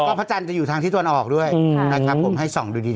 ก็พระจันทร์จะอยู่ทางที่ตะวันออกด้วยนะครับผมให้ส่องดูดี